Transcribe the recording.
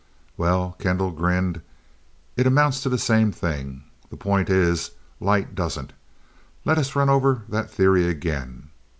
"Well" Kendall grinned "it amounts to the same thing. The point is, light doesn't. Let's run over that theory again.